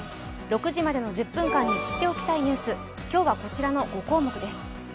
６時までの１０分間に知っておきたいニュース、今日はこちらの５項目です。